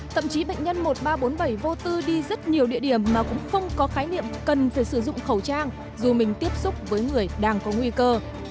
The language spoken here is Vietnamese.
thậm chí bệnh nhân một nghìn ba trăm bốn mươi bảy vô tư đi rất nhiều địa điểm mà cũng không có khái niệm cần phải sử dụng khẩu trang dù mình tiếp xúc với người đang có nguy cơ